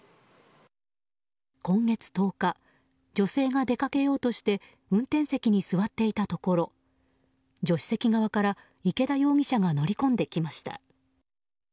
今月１０日女性が出かけようとして運転席に座っていたところ助手席側から池田容疑者が乗り込んできました。